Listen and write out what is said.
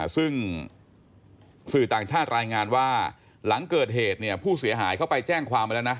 ซึ่งสื่อต่างชาติรายงานว่าหลังเกิดเหตุผู้เสียหายเขาไปแจ้งความไปแล้วนะ